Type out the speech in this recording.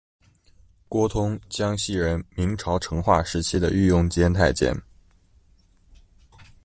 郭通，江西人，明朝成化时期的御用监太监。